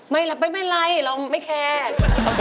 ไม่แปลกไม่ไล่เราไม่แคล์